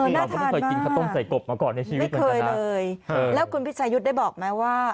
น่าทานมากไม่เคยเลยแล้วคุณพิชายุทธ์ได้บอกไหมว่า